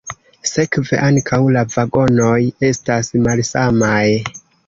Sekve ankaŭ la vagonoj estas malsamaj.